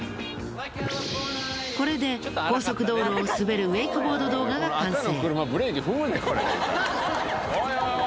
これで高速道路を滑るウェイクボード動画が完成。